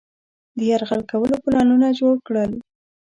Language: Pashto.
د یرغل کولو پلانونه جوړ کړل.